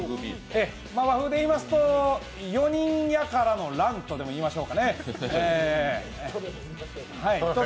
和風に言いますと、４人やからの乱とでもいいましょうか。